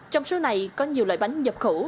trong số này có nhiều loại bánh nhập khẩu